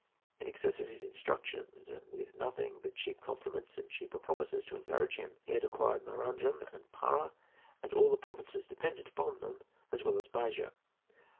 In excess of his instructions, and with nothing but cheap compliments and cheaper promises to encourage him, he had acquired Maranham and Parà, and all the provinces dependent upon them, as well as Bahia.